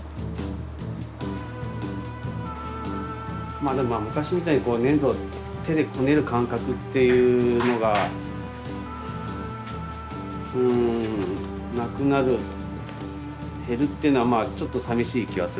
まあでも昔みたいに粘土を手でこねる感覚っていうのがうんなくなる減るっていうのはちょっとさみしい気はするんですけど。